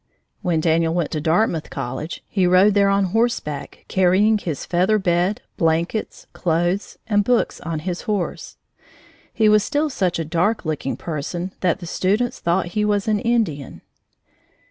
When Daniel went to Dartmouth College, he rode there on horseback, carrying his feather bed, blankets, clothes, and books on his horse. He was still such a dark looking person that the students thought he was an Indian.